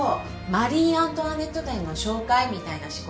マリーアントワネット展の紹介みたいな仕事。